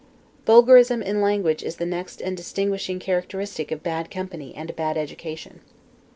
Vulgarism in language is the next and distinguishing characteristic of bad company and a bad education.